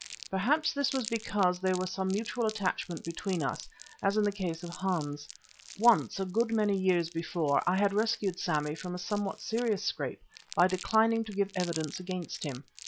Perhaps this was because there was some mutual attachment between us, as in the case of Hans. Once, a good many years before, I had rescued Sammy from a somewhat serious scrape by declining to give evidence against him.